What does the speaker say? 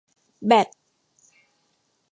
แบต